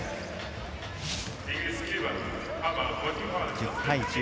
１０対１０。